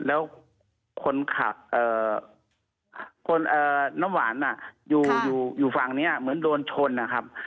แล้วคนขับน้ำหวานอยู่ฝั่งนี้เหมือนโดนชนนะครับ